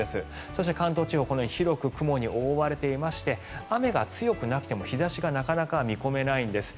そして関東地方は広く雲に覆われていまして雨が強くなくても、日差しがなかなか見込めないんです。